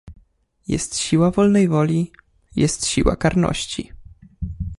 Jest siła wolnej woli, jest siła karności.